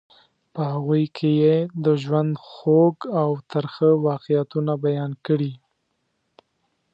په هغوی کې یې د ژوند خوږ او ترخه واقعیتونه بیان کړي.